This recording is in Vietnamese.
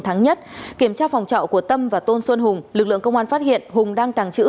trang phòng trọ của tâm và tôn xuân hùng lực lượng công an phát hiện hùng đang tàng trữ